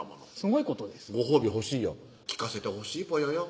ご褒美欲しいよ聴かせてほしいぽよよ